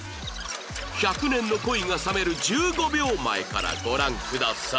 １００年の恋が冷める１５秒前からご覧ください